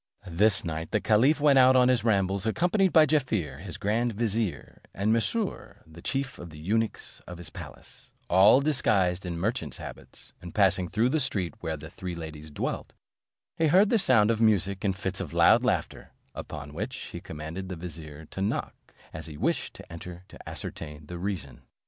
This night the caliph went out on his rambles, accompanied by Jaaffier his grand vizier, and Mesrour the chief of the eunuchs of his palace, all disguised in merchants' habits; and passing through the street where the three ladies dwelt, he heard the sound of music and fits of loud laughter; upon which he commanded the vizier, to knock, as he wished to enter to ascertain the reason.